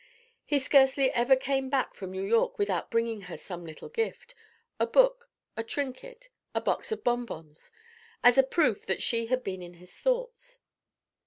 He scarcely ever came back from New York without bringing her some little gift, a book, a trinket, a box of bonbons, as a proof that she had been in his thoughts.